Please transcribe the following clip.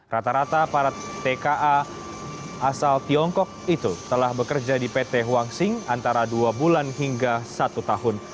rata rata para tka asal tiongkok itu telah bekerja di pt huangsing antara dua bulan hingga satu tahun